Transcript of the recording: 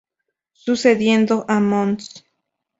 Sucediendo a Mons.